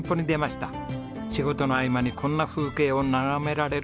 仕事の合間にこんな風景を眺められる。